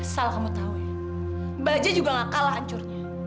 salah kamu tahu ya baja juga gak kalah hancurnya